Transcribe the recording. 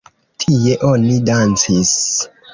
Tie oni dancis.